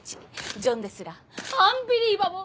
ジョンですらアンビリバボー！